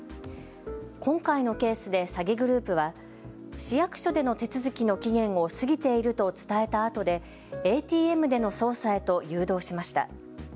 今回のケースで詐欺グループは市役所での手続きの期限を過ぎていると伝えたあとでＡＴＭでの操作へと誘導しました。